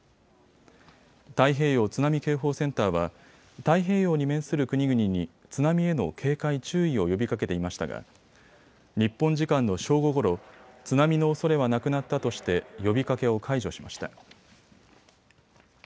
太平洋津波警報センターは太平洋に面する国々に津波への警戒・注意を呼びかけていましたが日本時間の正午ごろ、津波のおそれはなくなったとして呼びかけを解除しました。